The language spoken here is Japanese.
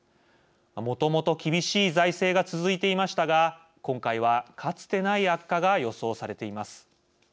もともと厳しい財政が続いていましたが今回はかつてない悪化が予想されています。